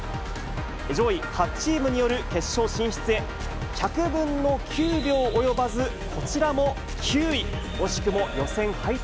上位８チームによる決勝進出へ１００分の９秒及ばず、こちらも９位。